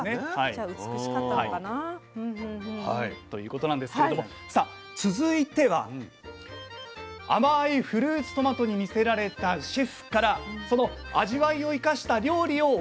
じゃあ美しかったのかな。ということなんですけれどもさあ続いては甘いフルーツトマトに魅せられたシェフからその味わいを生かした料理を教わってきました。